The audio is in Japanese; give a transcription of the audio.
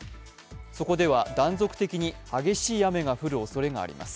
そこでは断続的に激しい雨が降るおそれがあります。